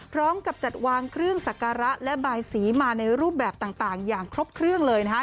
พร้อมกับจัดวางเครื่องสักการะและบายสีมาในรูปแบบต่างอย่างครบเครื่องเลยนะคะ